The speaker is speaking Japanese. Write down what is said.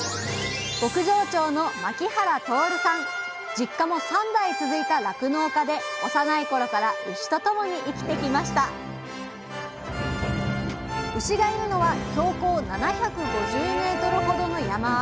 実家も３代続いた酪農家で幼い頃から牛と共に生きてきました牛がいるのは標高７５０メートルほどの山あい。